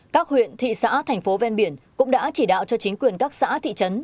các huyện thị xã thành phố ven biển cũng đã chỉ đạo cho chính quyền các xã thị trấn